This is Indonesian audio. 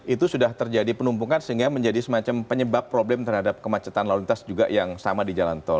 itu sudah terjadi penumpukan sehingga menjadi semacam penyebab problem terhadap kemacetan lalu lintas juga yang sama di jalan tol